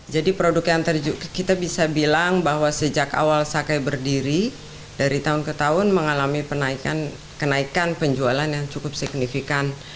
produk yang kita bisa bilang bahwa sejak awal sake berdiri dari tahun ke tahun mengalami kenaikan penjualan yang cukup signifikan